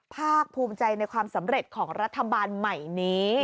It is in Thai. ภาคภูมิใจในความสำเร็จของรัฐบาลใหม่นี้